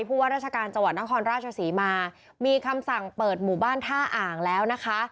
ว่าราชการจังหวัดนครราชศรีมามีคำสั่งเปิดหมู่บ้านท่าอ่างแล้วนะคะ